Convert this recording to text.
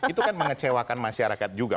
itu kan mengecewakan masyarakat juga